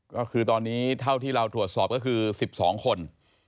ก็คือตอนนี้เท่าที่เราตรวจสอบก็คือ๑๒คน